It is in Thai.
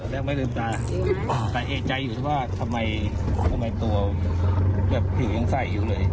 แต่เอะใจอยู่ว่าทำไมตัวอยู่อย่างใสอยู่เลย